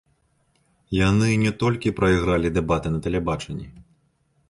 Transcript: Яны не толькі прайгралі дэбаты на тэлебачанні.